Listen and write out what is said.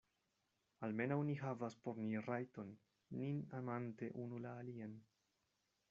Almenaŭ ni havas por ni rajton, nin amante unu la alian.